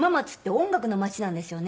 音楽のまちなんですよね。